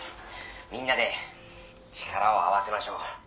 みんなで力を合わせましょう」。